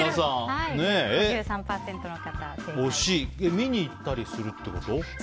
見に行ったりするってこと？